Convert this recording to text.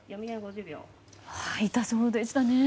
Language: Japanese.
痛そうでしたね。